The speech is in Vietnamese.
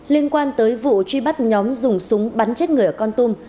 liên quan tới vụ truy bắt nhóm dùng súng bắn chết người ở con tum